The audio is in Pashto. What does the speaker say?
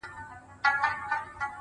د باښو او د کارګانو هم نارې سوې،